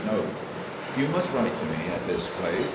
* "You must write to me at this place.